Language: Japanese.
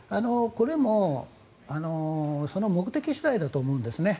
これも目的次第だと思うんです。